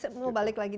mau balik lagi